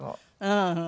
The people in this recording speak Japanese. うん。